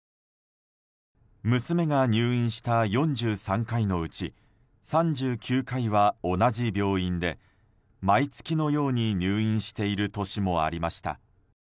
娘が入院した４３回のうち３９回は同じ病院で毎月のように入院している年もありました。